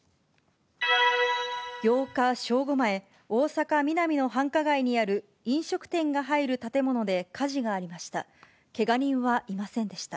８日正午前、大阪・ミナミの繁華街にある飲食店が入る建物で火事がありました。